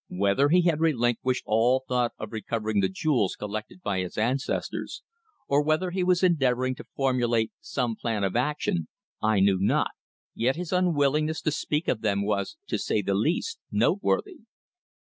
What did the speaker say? Whether he had relinquished all thought of recovering the jewels collected by his ancestors, or whether he was endeavouring to formulate some plan of action I knew not, yet his unwillingness to speak of them was, to say the least, noteworthy.